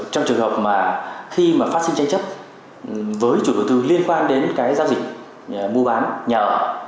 trong trường hợp mà khi mà phát sinh tranh chấp với chủ đầu tư liên quan đến cái giao dịch mua bán nhà ở